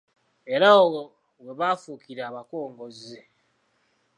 Era awo we baafuukira abakongozzi.